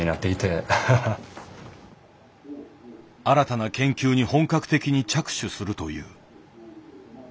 新たな研究に本格的に着手するという。